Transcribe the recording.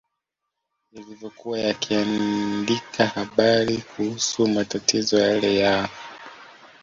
yalivyokuwa yakiandika habari kuhusu matatizo yale ya